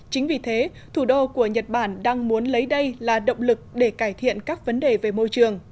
chính vì thế thủ đô của nhật bản đang muốn lấy đây là động lực để cải thiện các vấn đề về môi trường